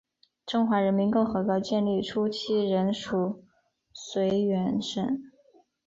中华人民共和国建立初期仍属绥远省。